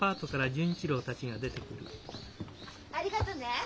ありがとね。